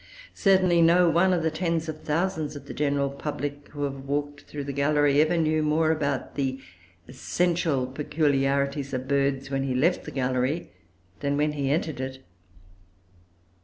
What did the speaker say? Certainly, no one of the tens of thousands of the general public who have walked through that gallery ever knew more about the essential peculiarities of birds when he left the gallery than when he entered it.